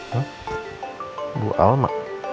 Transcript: hah bu alma